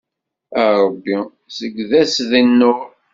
A Ṛebbi zegged-as deg nnur.